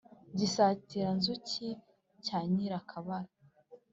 gisatira nzuki cya nyirakabaza